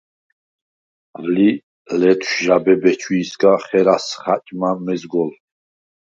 ალი ლეთშვ ჟაბე ბეჩვიისგა ხერას ხა̈ჭმა მეზგოლს.